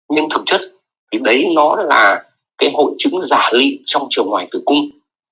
nhưng thực chất thì đấy nó là cái hội chứng giả lị trong trường ngoài tử cung